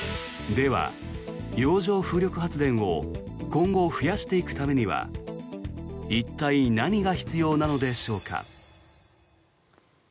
では、洋上風力発電を今後増やしていくためには一体、何が必要なのでしょうか。